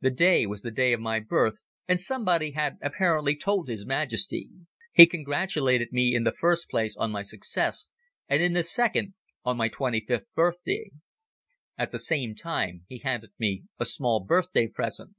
The day was the day of my birth and somebody had apparently told His Majesty. He congratulated me in the first place on my success, and in the second, on my twenty fifth birthday. At the same time he handed me a small birthday present.